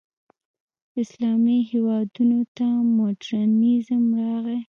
اسلامي هېوادونو ته مډرنیزم راغی.